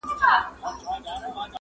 • اوس په خوب کي هره شپه زه خوبان وینم..